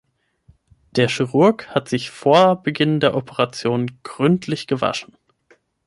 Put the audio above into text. Der Chirurg hat sich vor Beginn der Operation gründlich gewaschen.